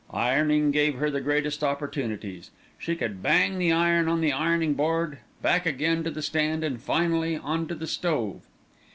Ironing gave her the greatest opportunities. She could bang the iron on the ironing board, back again to the stand, and finally on to the stove.